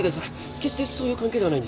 決してそういう関係ではないんです。